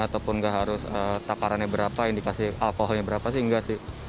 terus takarannya berapa indikasi alkoholnya berapa sih enggak sih